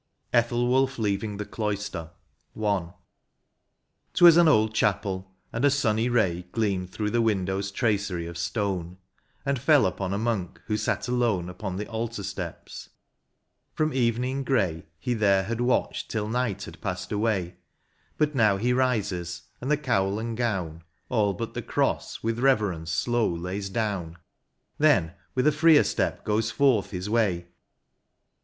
89 XLIV. ETHELWULPH LEAVING THE CLOISTER. — I. *T WAS an old chapel, and a sunny ray Gleamed through the window s tracery of stone, And fell upon a monk who sat alone Upon the altar steps ; from evening grey He there had watched till night had passed away ; But now he rises, and the cowl and gown. All but the cross, with reverence slow lays down ; Then with a freer step goes forth his way.